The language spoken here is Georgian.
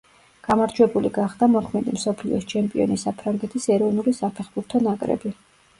გამარჯვებული გახდა მოქმედი მსოფლიოს ჩემპიონი საფრანგეთის ეროვნული საფეხბურთო ნაკრები.